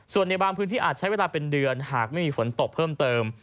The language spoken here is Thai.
ส่วนในบางพื้นที่อาจใช้เวลาเป็นเดือนหากไม่มีฝนตกเพิ่มเติม